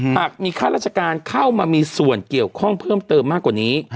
หากมีข้าราชการเข้ามามีส่วนเกี่ยวข้องเพิ่มเติมมากกว่านี้